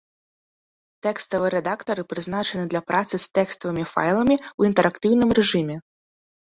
Тэкставыя рэдактары прызначаны для працы з тэкставымі файламі ў інтэрактыўным рэжыме.